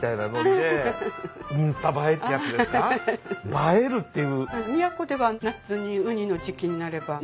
映えるっていう。